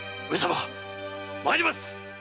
上様まいります！